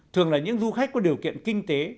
thường là những du khách có điều kiện kinh tế